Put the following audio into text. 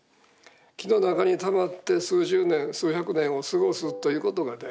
木の中にたまって数十年数百年を過ごすということが大事ですね。